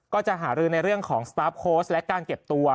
ก็จะหารือในเรื่องของสตาร์ฟโค้ชและการเก็บตัว